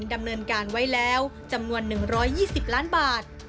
ดำเนินการไว้แล้วจำนวน๑๒๐ล้านบาท